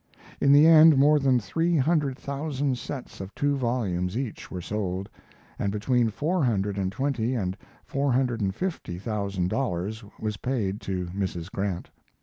In the end more than three hundred thousand sets of two volumes each were sold, and between four hundred and twenty and four hundred and fifty thousand dollars was paid to Mrs. Grant.